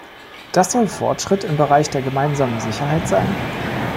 Das soll Fortschritt im Bereich der gemeinsamen Sicherheit sein?